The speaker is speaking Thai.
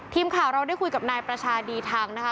ทีมข่าวเราได้คุยกับนายประชาดีทางนะคะ